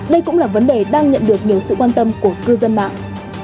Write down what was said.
đây cũng là vấn đề đang nhận được nhiều sự quan tâm của cư dân mạng